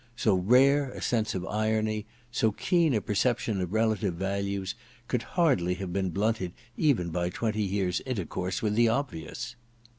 So rare a sense of irony, so keen a perception of relative values, could hardly have been blunted even by twenty years* intercourse with the obvious.